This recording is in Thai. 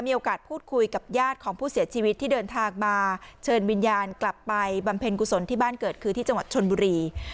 มีโอกาสพูดคุยกับญาติของผู้เสียชีวิตที่เดินทางมาเชิญวิญญาณกลับไปบำเพ็ญกุศลที่บ้านเกิดคือที่จังหวัดชนบุรี